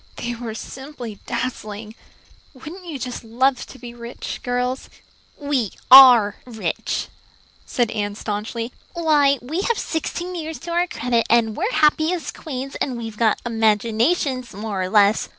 "They were simply dazzling. Wouldn't you just love to be rich, girls?" "We are rich," said Anne staunchly. "Why, we have sixteen years to our credit, and we're happy as queens, and we've all got imaginations, more or less.